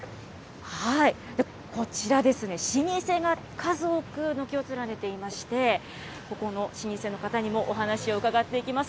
こちらですね、老舗が数多く軒を連ねていまして、ここの老舗の方にもお話を伺っていきます。